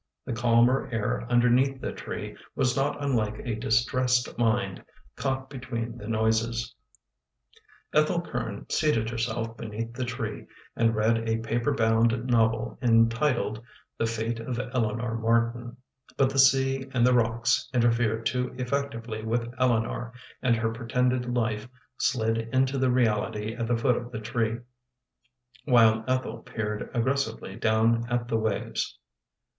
The calmer air underneath the tree was not unlike a distressed mind caught between the noises. Ethel Curn seated herself beneath the tree and read a paper bound novel entitled, "The Fate of Eleanor Martin," but the sea and the rocks interfered too effec tively with Eleanor and her pretended life slid into the reality at the foot of the tree, while Ethel peered aggres sively down at the waves.